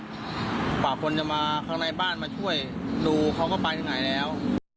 กว่าคนจะมาข้างในบ้านมาช่วยดูเขาก็ไปถึงไหนแล้ว